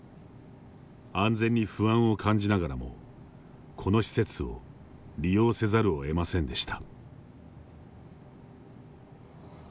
安全に不安を感じながらもこの施設を利用せざるをえませんでした。